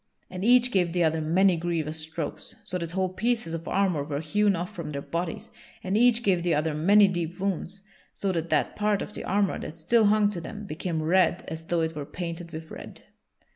And each gave the other many grievous strokes, so that whole pieces of armor were hewn off from their bodies; and each gave the other many deep wounds, so that that part of the armor that still hung to them became red as though it were painted with red.